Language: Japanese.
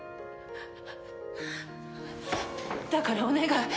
だからお願い